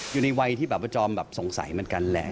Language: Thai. อยู่ในวัยที่ประจอมสงสัยเหมือนกันแหละ